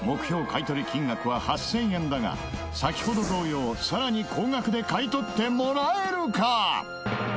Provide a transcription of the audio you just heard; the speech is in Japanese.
買い取り金額は８０００円だが先ほど同様さらに高額で買い取ってもらえるか！？